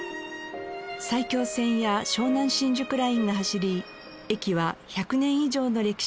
埼京線や湘南新宿ラインが走り駅は１００年以上の歴史を持ちます。